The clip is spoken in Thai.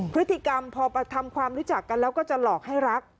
พฤติกรรมพอทำความรู้จักกันแล้วก็จะหลอกให้รัก